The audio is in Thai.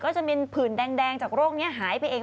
จะมีผื่นแดงจากโรคนี้หายไปเอง